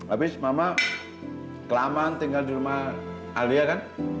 abis mama kelamaan tinggal di rumah alia kan